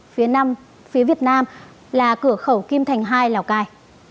phía nam phía việt nam là cửa khẩu kim thành hai lào cai